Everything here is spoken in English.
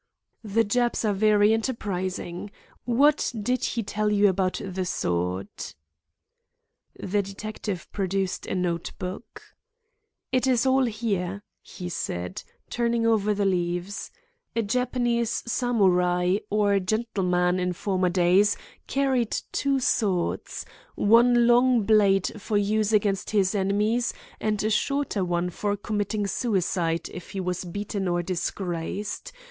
"The Japs are very enterprising. What did he tell you about the sword?" The detective produced a note book. "It is all here," he said, turning over the leaves. "A Japanese Samurai, or gentleman, in former days carried two swords, one long blade for use against his enemies, and a shorter one for committing suicide if he was beaten or disgraced.